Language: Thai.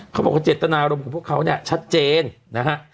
เขาบอกว่าเจตนารมณ์ของพวกเขาเนี่ยชัดเจนนะฮะ